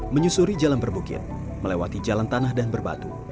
menyusuri jalan berbukit melewati jalan tanah dan berbatu